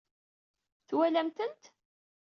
Twalam-tent?